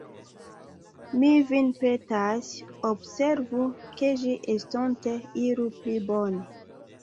Mi vin petas, observu, ke ĝi estonte iru pli bone.